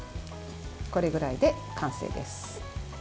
これぐらいで完成です。